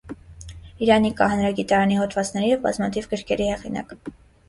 Իրանիկա հանրագիտարանի հոդվածների և բազմաթիվ գրքերի հեղինակ։